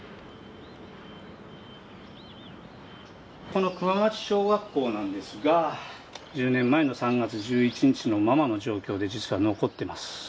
この熊町小学校なんですが１０年前の３月１１日のままの状況で実は残ってます。